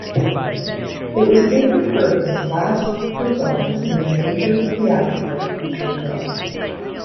It was Ingrid Bergman's last performance in a major theatrical feature film.